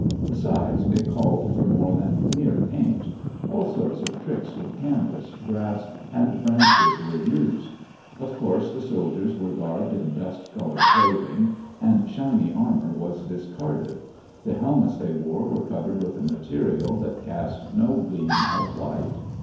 Besides, it called for more than mere paint; all sorts of tricks with canvas, grass, and branches were used. Of course, the soldiers were garbed in dust colored clothing and shiny armor was discarded. The helmets they wore were covered with a material that cast no gleam of light.